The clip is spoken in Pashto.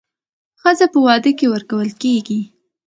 ښځه په واده کې ورکول کېږي